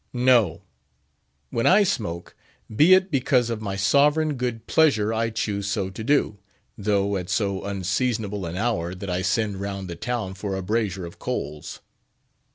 No! when I smoke, be it because of my sovereign good pleasure I choose so to do, though at so unseasonable an hour that I send round the town for a brasier of coals.